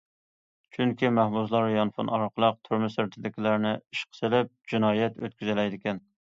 چۈنكى مەھبۇسلار يانفون ئارقىلىق تۈرمە سىرتىدىكىلەرنى ئىشقا سېلىپ جىنايەت ئۆتكۈزەلەيدىكەن.